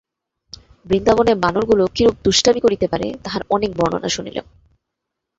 বৃন্দাবনে বানরগুলা কিরূপ দুষ্টামি করিতে পারে, তাহার অনেক বর্ণনা শুনিলাম।